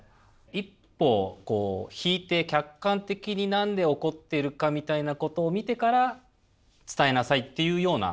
一歩こう引いて客観的に何で怒っているかみたいなことを見てから伝えなさいっていうような。